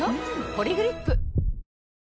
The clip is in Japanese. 「ポリグリップ」